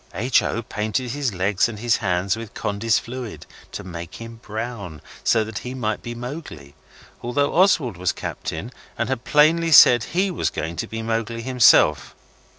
H. O. painted his legs and his hands with Condy's fluid to make him brown, so that he might be Mowgli, although Oswald was captain and had plainly said he was going to be Mowgli himself.